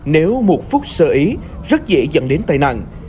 nếu một phút sơ ý rất dễ dẫn đến tai nạn